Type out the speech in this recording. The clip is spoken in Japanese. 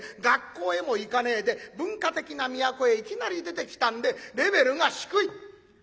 学校へも行かねえで文化的な都へいきなり出てきたんでレベルが低い。